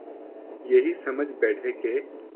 یہی سمجھ بیٹھے کہ